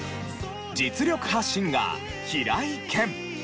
実力派シンガー平井堅。